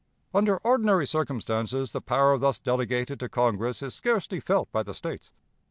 Under ordinary circumstances, the power thus delegated to Congress is scarcely felt by the States.